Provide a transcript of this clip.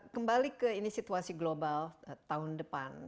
kembali ke ini situasi global tahun depan